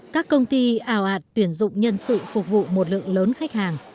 các công ty ảo ạt tuyển dụng nhân sự phục vụ một lượng lớn khách hàng